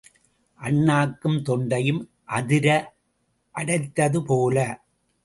அண்ணாக்கும் தொண்டையும் அதிர அடைத்தது போல.